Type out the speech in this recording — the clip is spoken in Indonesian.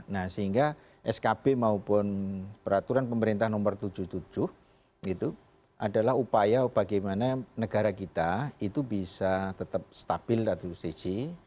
nah sehingga skb maupun peraturan pemerintah nomor tujuh puluh tujuh adalah upaya bagaimana negara kita itu bisa tetap stabil satu sisi